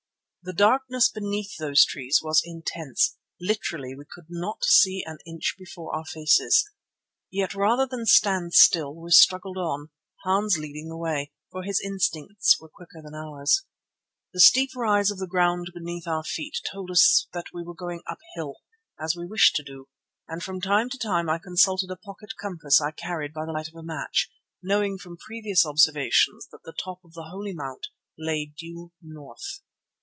The darkness beneath those trees was intense, literally we could not see an inch before our faces. Yet rather than stand still we struggled on, Hans leading the way, for his instincts were quicker than ours. The steep rise of the ground beneath our feet told us that we were going uphill, as we wished to do, and from time to time I consulted a pocket compass I carried by the light of a match, knowing from previous observations that the top of the Holy Mount lay due north.